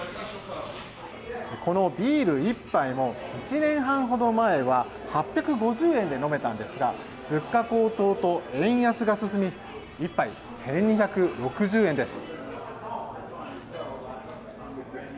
このビール１杯も１年半ほど前は８５０円で飲めたんですが物価高騰と円安が進み１杯１２６０円です。